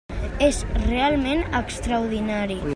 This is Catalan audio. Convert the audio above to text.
És realment extraordinari.